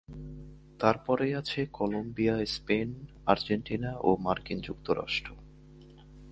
তারপরেই আছে Colombia, Spain, Argentina ও মার্কিন যুক্তরাষ্ট্র।